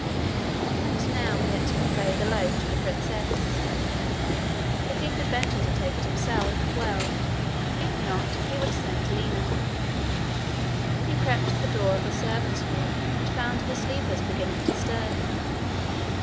And now he had to convey the loaf to the princess. If he could venture to take it himself, well; if not, he would send Lina. He crept to the door of the servants' hall, and found the sleepers beginning to stir.